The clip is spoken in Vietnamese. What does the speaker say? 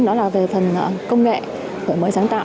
đó là về phần công nghệ mới sáng tạo